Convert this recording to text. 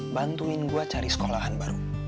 bantuin gue cari sekolahan baru